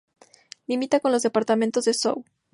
Limita con los departamentos de Zou.